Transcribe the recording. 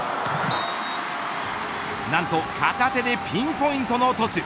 なんと片手でピンポイントのトス。